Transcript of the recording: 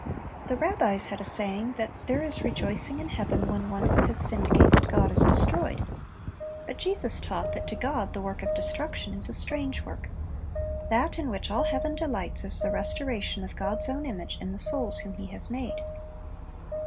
The rabbis had a saying that there is rejoicing in heaven when one who has sinned against God is destroyed; but Jesus taught that to God the work of destruction is a strange work. That in which all heaven delights is the restoration of God's own image in the souls whom He has made.